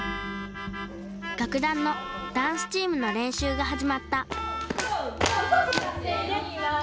楽団のダンスチームの練習が始まった。